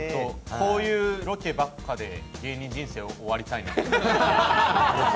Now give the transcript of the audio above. こういうロケばっかりで芸人人生終わりたいな。